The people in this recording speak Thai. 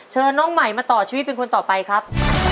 น้องใหม่มาต่อชีวิตเป็นคนต่อไปครับ